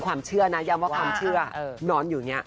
ความเชื่อนะยังว่าความเชื่อ